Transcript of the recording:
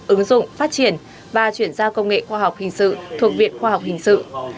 ứng dụng phát triển và chuyển giao công nghệ khoa học hình sự thuộc viện khoa học hình sự